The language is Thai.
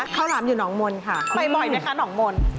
หลามอยู่หนองมนต์ค่ะไปบ่อยไหมคะหนองมนต์